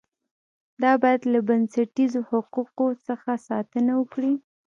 دا باید له بنسټیزو حقوقو څخه ساتنه وکړي.